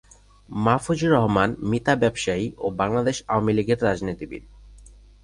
মাহফুজুর রহমান মিতা ব্যবসায়ী ও বাংলাদেশ আওয়ামী লীগের রাজনীতিবিদ।